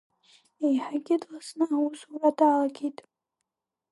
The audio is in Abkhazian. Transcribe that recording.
Еҳагьы дласны аусура далагеит.